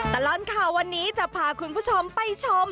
ตลอดข่าววันนี้จะพาคุณผู้ชมไปชม